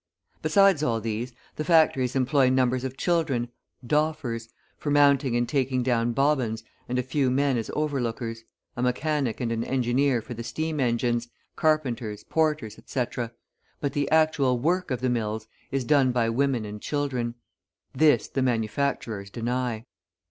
Besides all these, the factories employ numbers of children doffers for mounting and taking down bobbins, and a few men as overlookers, a mechanic and an engineer for the steam engines, carpenters, porters, etc.; but the actual work of the mills is done by women and children. This the manufacturers deny.